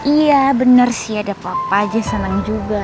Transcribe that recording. iya bener sih ada papa aja seneng juga